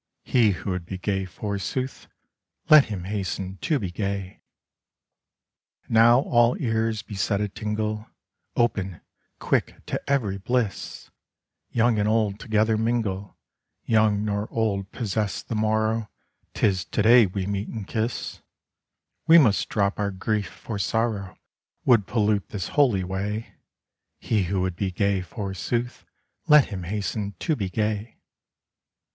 He who would be gay, forsooth, Let him hasten to be gay. 73 Now all ears be set a tingle, Open, quick to every bliss 1 Young and old together mingle, Young nor old possess the morrow, 'Tis to day we meet and kiss ; We must drop our grief, for sorrow Would pollute this holy way : He who would be gay, forsooth, Let him hasten to be gay.